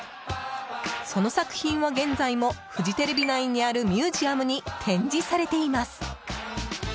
その作品は現在もフジテレビ内にあるミュージアムに展示されています。